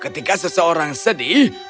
ketika seseorang sedih berteriak hanya menggantikan